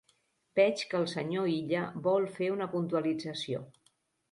Veig que el senyor Illa vol fer una puntualització.